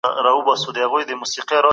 د جنګ جګړو پر ځای د ميني لار خپله کړئ.